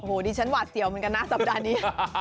โอ้โหดิฉันหวาดเสียวเหมือนกันนะสัปดาห์นี้